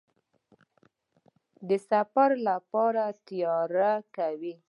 د سفر لپاره تیاری کوئ؟